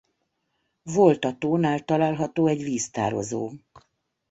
Volta-tónál található egy víztározó.